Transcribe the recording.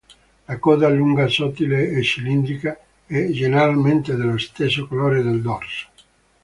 La coda, lunga, sottile e cilindrica, è generalmente dello stesso colore del dorso.